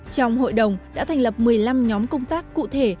trong hội đồng đã thành lập một mươi năm nhóm công tác cụ thể